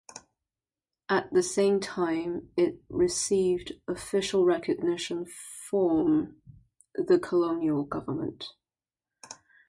At the same time, it received official recognition form the colonial government.